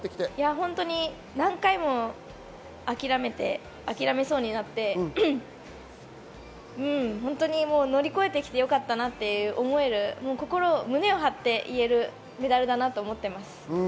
何回も諦めそうになって本当に乗り越えてきてよかったなと思える、胸を張って言えるメダルだなと思っています。